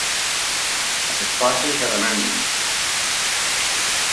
A les portes de Renània.